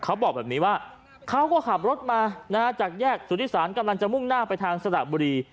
เขาบอกแบบนี้ว่าเขาก็ขับรถมาจากแยกสุธิศาลกำลังจะมุ่งหน้าไปทางสระบุรี